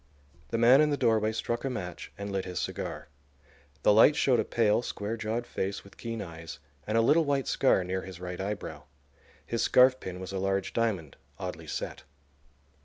The man in the doorway struck a match and lit his cigar. The light showed a pale, square jawed face with keen eyes, and a little white scar near his right eyebrow. His scarfpin was a large diamond, oddly set.